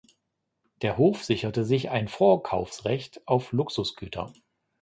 Der Hof sicherte sich ein Vorkaufsrecht auf Luxusgüter.